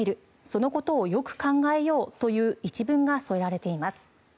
そのことをよく考えよう！」という一文が添えられています。